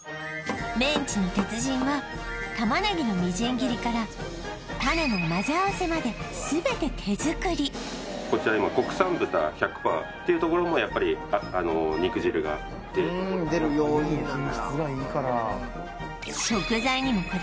メンチの鉄人は玉ねぎのみじん切りからタネの混ぜ合わせまで全て手作りこちらっていうところもやっぱりあのうん出る要因なんだ